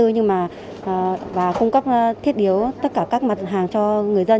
nhưng mà cung cấp thiết yếu tất cả các mặt hàng cho người dân